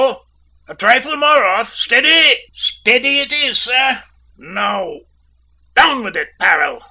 A trifle more off. Steady!" "Steady it is, sir!" "Now down with it, Parrell!"